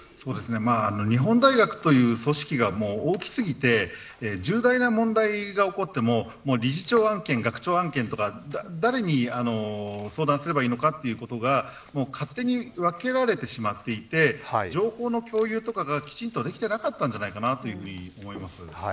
日本大学という組織が大き過ぎて重大な問題が起こっても理事長案件、学長案件ということが誰に相談すればいいのかということが勝手に分けられてしまっていて情報の共有とかが、きちんとできていなかったんじゃないかと思います。